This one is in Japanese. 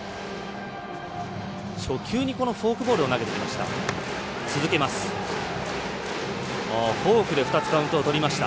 初球にフォークボールを投げてきました。